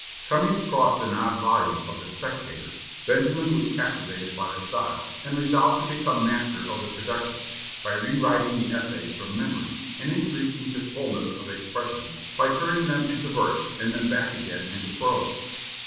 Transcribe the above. Coming across an odd volume of the "Spectator," Benjamin was captivated by the style, and resolved to become master of the production, by rewriting the essays from memory, and increasing his fulness of expression by turning them into verse, and then back again into prose.